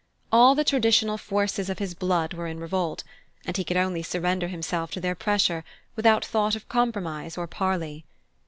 All the traditional forces of his blood were in revolt, and he could only surrender himself to their pressure, without thought of compromise or parley.